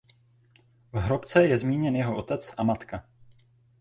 V hrobce je zmíněn jeho otec a matka.